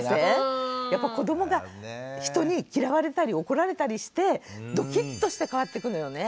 やっぱり子どもが人に嫌われたり怒られたりしてドキッとして変わってくのよね。